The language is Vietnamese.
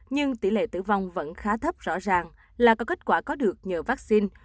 nhưng tỷ lệ tử vong vẫn khá thấp rõ ràng là có kết quả có được nhờ vaccine